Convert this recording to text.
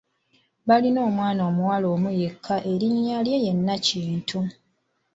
Baalina omwana omuwala omu yekka ng'erinnya lye ye Nakintu.